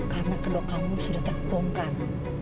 karena kendok kamu sudah terbongkar